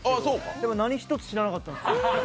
でも何一つ、知らなかったです。